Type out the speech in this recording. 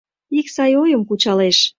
Ик сай ойым кучалеш: